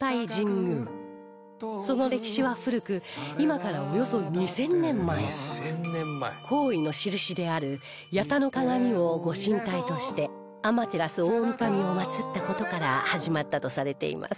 その歴史は古く今からおよそ２０００年前皇位の印である八咫鏡を御神体として天照大御神を祀った事から始まったとされています